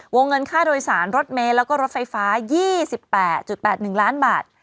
วงเงินค่าโดยสารรถเมย์แล้วก็รถไฟฟ้า๒๘๘๑ล้านบาท